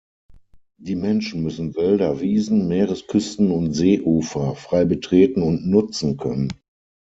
Die Menschen müssen Wälder, Wiesen, Meeresküsten und Seeufer frei betreten und nutzen können.